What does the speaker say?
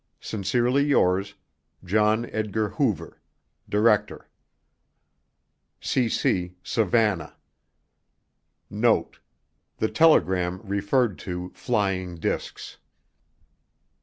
Sincerely yours, John Edgar Hoover Director cc Savannah NOTE: The telegram referred to "flying discs."